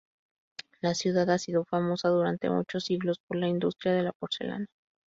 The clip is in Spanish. La ciudad ha sido famosa durante muchos siglos por la industria de la porcelana.